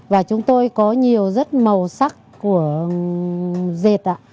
và chúng tôi có nhiều rất màu sắc của dệt